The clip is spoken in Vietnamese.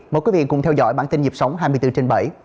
mời quý vị cùng theo dõi bản tin nhịp sống hai mươi bốn trên bảy